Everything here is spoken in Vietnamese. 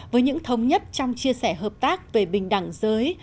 với những thống nhất trong chia sẻ hợp tác về bình đẳng giới